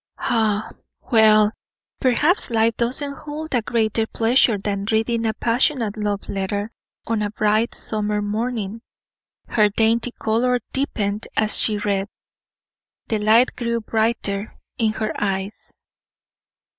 Ah! well, perhaps life does not hold a greater pleasure than reading a passionate love letter on a bright summer morning. Her dainty color deepened as she read; the light grew brighter in her eyes.